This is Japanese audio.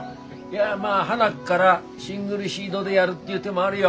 まあはなっからシングルシードでやるっていう手もあるよ。